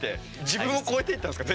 自分を超えていったんですか？